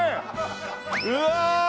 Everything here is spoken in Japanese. うわ！